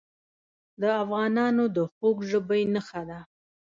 د افغانانو د خوږ ژبۍ نښه ده.